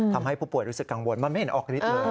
ทำให้ผู้ป่วยรู้สึกกังวลมันไม่เห็นออกฤทธิ์เลย